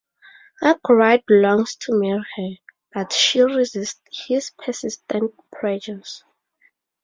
Arkwright longs to marry her, but she resists his persistent pressures.